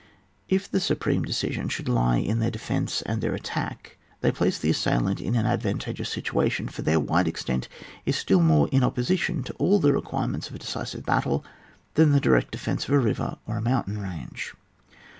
If a supreme decision should lie in their defence and their attack, they place the assailant in an advantageous situa tion, for their wide extent is still more in opposition to all the requirements of a decisive battle than the direct defence of a river or a mountain range.